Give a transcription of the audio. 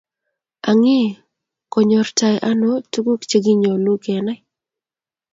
Ang ii, kinyortai ano tukuk chekinyolu kenai